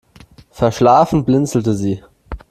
Verschlafen blinzelte sie.